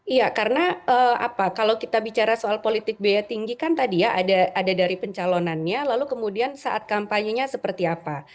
iya karena apa kalau kita bicara soal politik biaya tinggi kan tadi ya ada dari pencalonannya lalu kemudian saat kampanye nya seperti apa